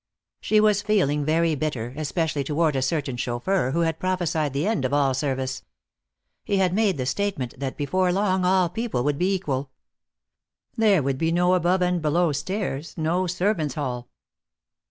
She was feeling very bitter, especially toward a certain chauffeur who had prophesied the end of all service. He had made the statement that before long all people would be equal. There would be no above and below stairs, no servants' hall.